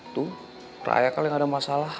tuh raya kali gak ada masalah